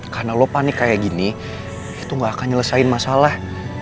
karena lo panik kayak gini itu gak akan nyelesain masalah